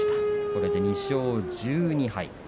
これで２勝１２敗。